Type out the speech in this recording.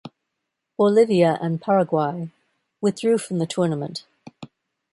Bolivia, and Paraguay withdrew from the tournament.